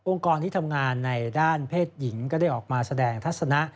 กรที่ทำงานในด้านเพศหญิงก็ได้ออกมาแสดงทัศนะ